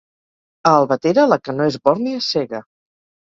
A Albatera la que no és bòrnia és cega.